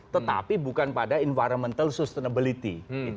tetapi bukan pada environmental sustainability